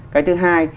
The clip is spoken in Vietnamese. cái thứ hai